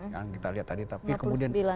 yang kita lihat tadi